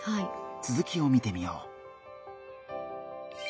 続きを見てみよう。